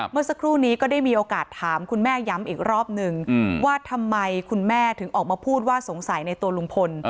เมื่อสักครู่นี้ก็ได้มีโอกาสถามคุณแม่ย้ำอีกรอบนึงว่าทำไมคุณแม่ถึงออกมาพูดว่าสงสัยในตัวลุงพล